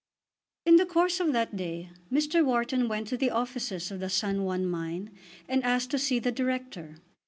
In the course of that day Mr. Wharton went to the offices of the San Juan mine and asked to see the Director.